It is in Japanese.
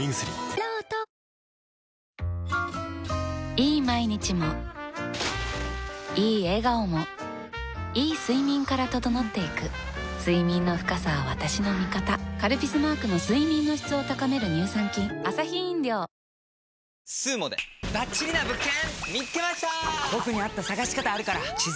いい毎日もいい笑顔もいい睡眠から整っていく睡眠の深さは私の味方「カルピス」マークの睡眠の質を高める乳酸菌「エアジェット除菌ＥＸ」ならピンク汚れ予防も！